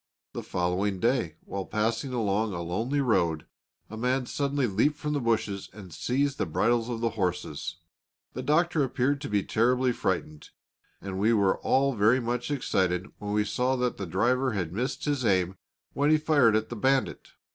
The following day, while passing along a lonely road, a man suddenly leaped from the bushes and seized the bridles of the horses. The Doctor appeared to be terribly frightened, and we were all very much excited when we saw that the driver had missed his aim when he fired at the bandit.